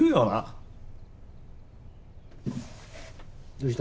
どうした？